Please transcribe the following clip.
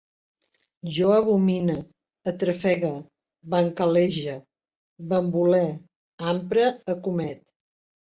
Jo abomine, atrafegue, bancalege, benvoler, ampre, acomet